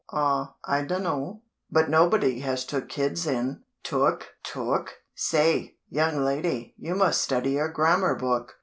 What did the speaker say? "Aw! I dunno; but nobody has took kids in." "Took? Took? Say, young lady, you must study your grammar book.